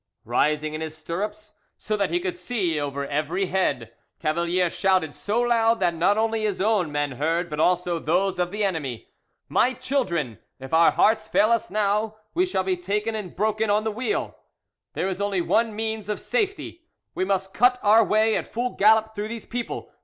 Rising in his stirrups, so that he could see over every head, Cavalier shouted so loud that not only his own men heard but also those of the enemy: "My children, if our hearts fail us now, we shall be taken and broken on the wheel. There is only one means of safety: we must cut our way at full gallop through these people.